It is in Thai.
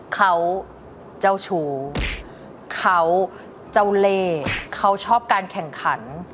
เขาเจ้าชู้เขาเจ้าเล่เขาชอบการแข่งขัน